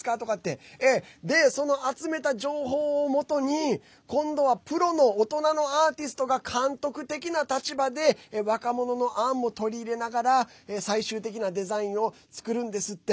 その集めた情報を元に、今度はプロの大人のアーティストが監督的な立場で若者の案も取り入れながら最終的なデザインを作るんですって。